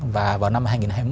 và vào năm hai nghìn hai mươi một